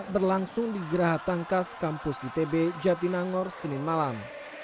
berlangsung di geraha tangkas kampus itb jatinangor senin malam